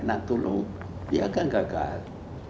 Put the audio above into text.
untuk menolong dia akan gagal